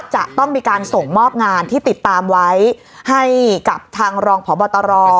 จะต้องมีการส่งมอบงานที่ติดตามไว้ให้กับทางรองพบตร